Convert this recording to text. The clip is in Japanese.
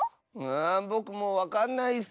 ぼくもうわかんないッス。